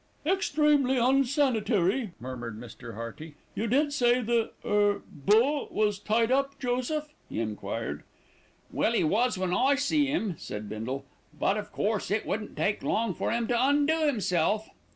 "Extremely insanitary," murmured Mr. Hearty. "You did say the er bull was tied up, Joseph?" he enquired. "Well, 'e was when I see 'im," said Bindle, "but of course it wouldn't take long for 'im to undo 'imself."